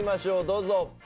どうぞ。